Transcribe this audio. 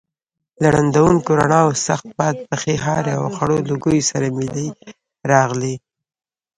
له ړندونکو رڼاوو، سخت باد، پښې هارې او خړو لوګیو سره ملې راغلې.